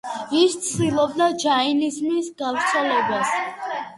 ის ცდილობდა ჯაინიზმის გავრცელებას.